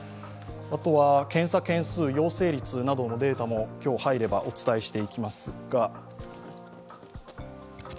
検査件数、陽性率などのデータも今日入ればお伝えしていきます。